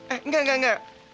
eh enggak enggak enggak